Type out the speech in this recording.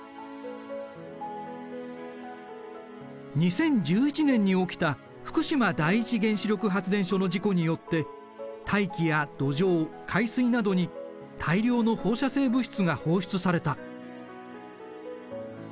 ２０１１年に起きた福島第一原子力発電所の事故によって大気や土壌海水などに大量の放射性物質が放出された。